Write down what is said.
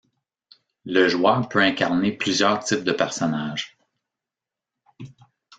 Le joueur peut incarner plusieurs types de personnages.